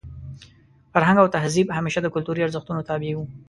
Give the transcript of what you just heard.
فرهنګ او تهذیب همېشه د کلتوري ارزښتونو تابع وو.